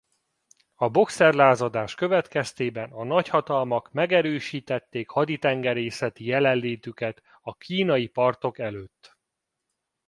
A bokszerlázadás következtében a nagyhatalmak megerősítették haditengerészeti jelenlétüket a kínai partok előtt.